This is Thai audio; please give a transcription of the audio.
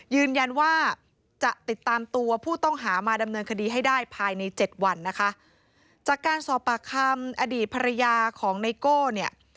ยืนยันว่าจะติดตามตัวผู้ต้องหามาดำเนินคดีให้ได้ภายในเจ็ดวันนะคะจากการสอบปากคำอดีตภรรยาของไนโก้เนี่ย